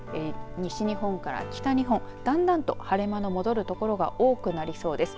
西日本から北日本だんだんと晴れ間の戻る所が多くなりそうです。